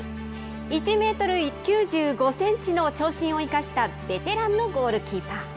１メートル９５センチの長身を生かしたベテランのゴールキーパー。